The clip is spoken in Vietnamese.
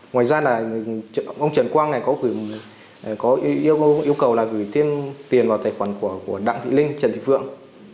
ngoài ra là ông trần quang này có yêu cầu là gửi tiên tiền vào tài khoản của đặng thị linh trần thị phượng